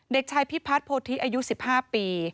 เด็กชายพิพัฒนโพธิอายุ๑๕ปี